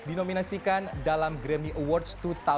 dinominasikan dalam grammy awards dua ribu tujuh belas